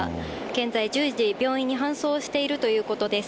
現在、順次、病院に搬送しているということです。